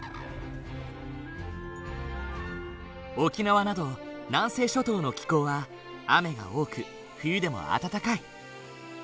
沖縄など南西諸島の気候は雨が多く冬でも暖かい。